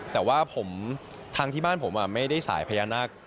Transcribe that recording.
แต่ว่าทางที่บ้านผมไม่ได้สายพญานาค